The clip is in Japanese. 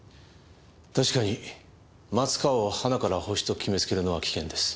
確かに松川をはなからホシと決め付けるのは危険です。